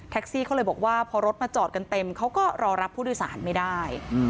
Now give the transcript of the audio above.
ซี่เขาเลยบอกว่าพอรถมาจอดกันเต็มเขาก็รอรับผู้โดยสารไม่ได้